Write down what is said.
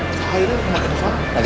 lagi ngeri serah abang ya